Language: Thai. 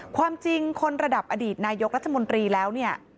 ความจริงคนระดับอดีตนายกรัฐมนตรีแล้วเนี่ย